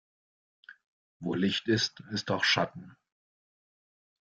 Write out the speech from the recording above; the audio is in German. Wo Licht ist, ist auch Schatten.